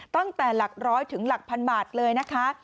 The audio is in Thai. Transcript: ตั้งแต่หลักร้อยถึงหลักพันบาทเลยนะคะ